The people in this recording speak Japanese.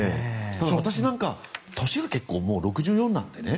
私なんか、年がもう６４なのでね。